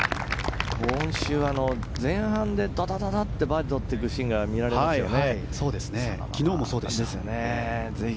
今週は前半でババッとバーディーとっていくシーンが見られますよね。